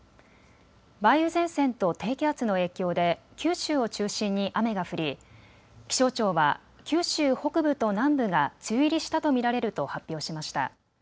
梅雨前線と低気圧の影響で九州を中心に雨が降り気象庁は九州北部と南部が梅雨入りしたと見られると発表しました。